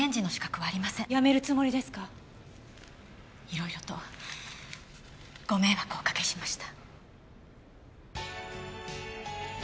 色々とご迷惑をおかけしました。